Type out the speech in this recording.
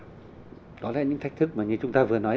có lẽ những thách thức mà như chúng ta vừa nói